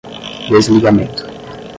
desligamento